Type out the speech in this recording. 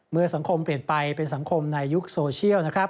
เมื่อสังคมเปลี่ยนไปเป็นสังคมในยุคโซเชียลนะครับ